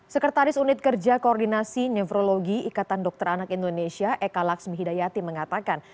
sekretaris unit kerja koordinasi nefrologi ikatan dokter anak indonesia eka laksmi hidayati mengatakan